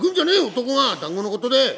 男が団子のことで！